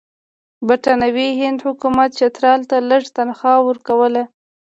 د برټانوي هند حکومت چترال ته لږه تنخوا ورکوله.